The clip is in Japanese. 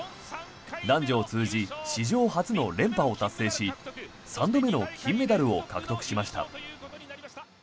男女を通じ史上初の連覇を達成し３度目の金メダルを獲得しました。